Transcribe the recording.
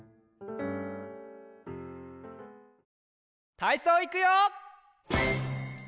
たいそういくよ！